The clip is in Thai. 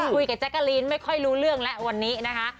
แจ๊กกะลีนไม่ค่อยรู้เรื่องแล้ววันนี้นะคะ